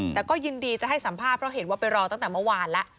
แต่ก็ยินดีจะให้สัมภาษณ์เพราะเห็นว่าไปรอตั้งแต่เมื่อวานแล้ว